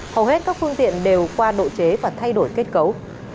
hầu hết các phương tiện đều qua độ chế và thay đổi kết cấu